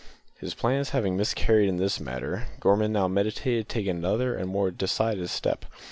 His plans having miscarried in this matter, Gorman now meditated taking another and more decided step.